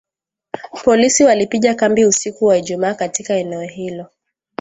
Polisi walipiga kambi usiku wa Ijumaa katika eneo hilo